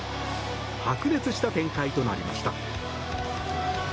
白熱した展開となりました。